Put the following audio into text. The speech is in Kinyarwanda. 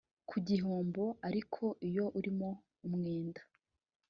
ku gihombo Ariko iyo urimo umwenda